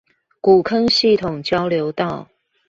古坑系統交流道